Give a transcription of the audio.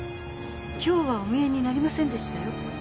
今日はお見えになりませんでしたよ。